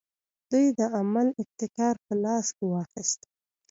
دوی د عمل ابتکار په لاس کې واخیست.